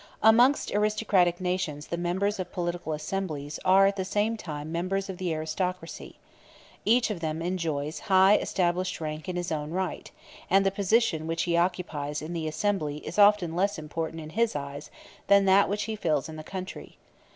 Amongst aristocratic nations the members of political assemblies are at the same time members of the aristocracy. Each of them enjoys high established rank in his own right, and the position which he occupies in the assembly is often less important in his eyes than that which he fills in the country.